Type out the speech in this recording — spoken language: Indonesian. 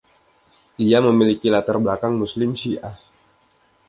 Ia memiliki latar belakang Muslim Syiah.